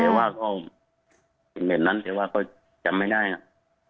แต่ว่าเขาเห็นเหมือนนั้นแต่ว่าเขาจำไม่ได้นะ